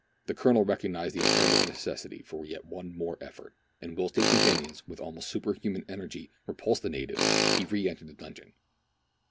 The Colonel recognized the imperative necessity for yet one more effort, and whilst his companions, with almost superhuman energy, repulsed the natives, he re entered the donjon.